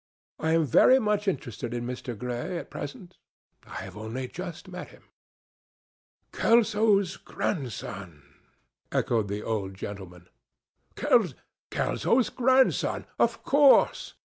I am very much interested in Mr. Gray at present. I have only just met him." "Kelso's grandson!" echoed the old gentleman. "Kelso's grandson! ... Of course....